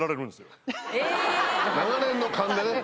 長年の勘でね。